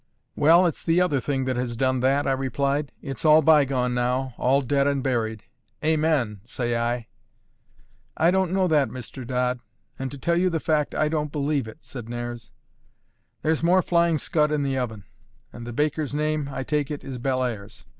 "Well, it's the other thing that has done that," I replied. "It's all bygone now, all dead and buried. Amen! say I." "I don't know that, Mr. Dodd; and to tell you the fact, I don't believe it," said Nares. "There's more Flying Scud in the oven; and the baker's name, I take it, is Bellairs.